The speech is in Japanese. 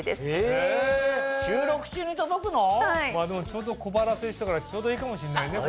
ちょうど小腹すいてたからちょうどいいかもしんないね。